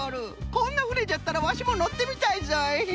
こんなふねじゃったらワシものってみたいぞい。